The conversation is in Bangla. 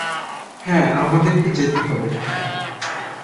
হ্যাঁঁ, আমাদেরকে যেতে হবে।